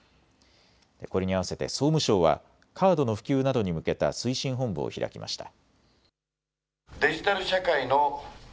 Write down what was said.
これに合わせて総務省はカードの普及などに向けた推進本部を開きました。